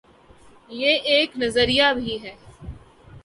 یہ ایک نظریہ بھی ہے۔